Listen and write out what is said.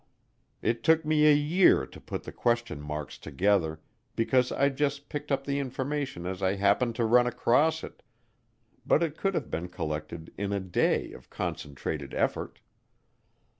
It took me a year to put the question marks together because I just picked up the information as I happened to run across it, but it could have been collected in a day of concentrated effort.